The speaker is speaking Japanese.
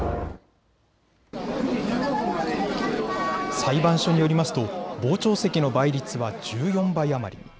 裁判所によりますと傍聴席の倍率は１４倍余り。